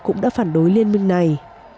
cũng đã phản đối liên minh này